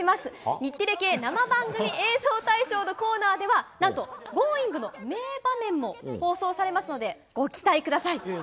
日テレ系生番組映像大賞のコーナーでは「Ｇｏｉｎｇ！」の名場面も放送されますのでご期待ください。